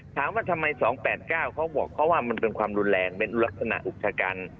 ถามว่าทำไม๒๘๙เขาบอกว่ามันเป็นความรุนแรงเป็นอุรสนาอุกษกรรม